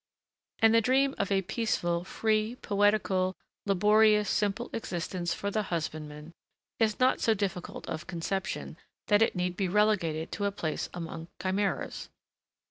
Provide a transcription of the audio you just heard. And the dream of a peaceful, free, poetical, laborious, simple existence for the husbandman is not so difficult of conception that it need be relegated to a place among chimeras.